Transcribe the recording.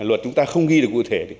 luật chúng ta không ghi được cụ thể